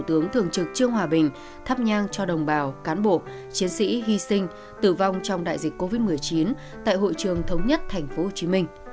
tướng thường trực trương hòa bình thắp nhang cho đồng bào cán bộ chiến sĩ hy sinh tử vong trong đại dịch covid một mươi chín tại hội trường thống nhất tp hcm